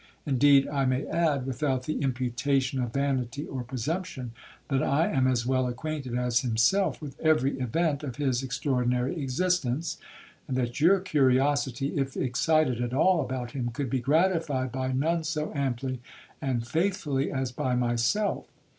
Indeed I may add, without the imputation of vanity or presumption, that I am as well acquainted as himself with every event of his extraordinary existence; and that your curiosity, if excited at all about him, could be gratified by none so amply and faithfully as by myself.'